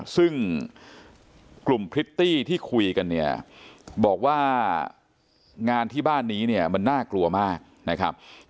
ซึ่งกลุ่มพริตตี้ที่คุยกันเนี่ยบอกว่างานที่บ้านนี้เนี่ยมันน่ากลัวมากนะครับ